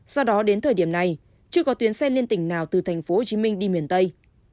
do đó đến thời điểm này chưa có tuyến xe liên tỉnh nào từ tp hcm đi miền tây